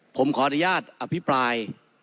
ผมขออนุญาตอภิปราย